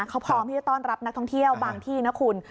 เขาพร้อมที่จะต้อนรับนักท่องเที่ยวบางที่นะคุณ